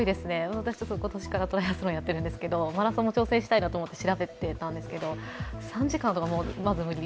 私、今年からトライアスロンやってるんですけどマラソンも挑戦したいなと思って調べてたんですけれども、３時間とかまず無理。